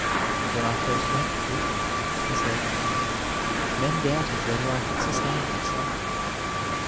"When I first went to Brooklyn," he said, "men doubted whether I could sustain myself.